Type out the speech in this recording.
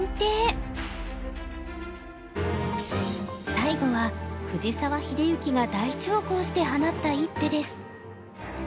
最後は藤沢秀行が大長考して放った一手です。